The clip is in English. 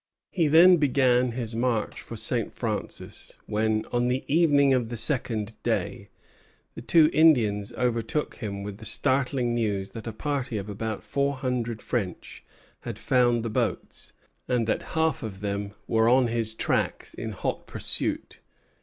He then began his march for St. Francis, when, on the evening of the second day, the two Indians overtook him with the startling news that a party of about four hundred French had found the boats, and that half of them were on his tracks in hot pursuit.